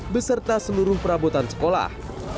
beserta seluruh perabotan sekolah